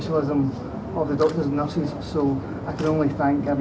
tôi chỉ có thể cảm ơn tất cả mọi người đã làm gì